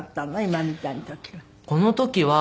今みたいな時は。